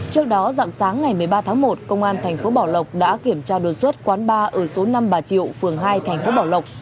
trước đó dặn sáng ngày một mươi ba tháng một công an tp bảo lộc đã kiểm tra đột xuất quán bar ở số năm bà triệu phường hai tp bảo lộc